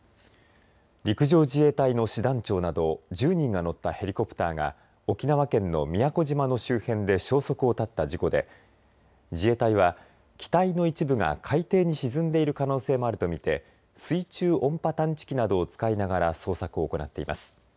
陸上自衛隊の師団長など１０人が乗ったヘリコプターが沖縄県の宮古島の周辺で消息を絶った事故で自衛隊は機体の一部が海底に沈んでいる可能性もあるとみて水中音波探知機などを使いながら捜索を行っています。